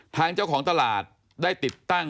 ทางเจ้าของตลาดได้ติดตั้ง